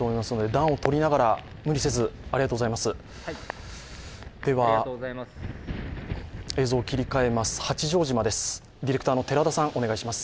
暖をとりながら無理せずありがとうございます。